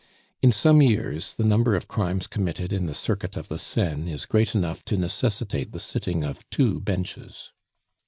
In some years the number of crimes committed in the circuit of the Seine is great enough to necessitate the sitting of two Benches.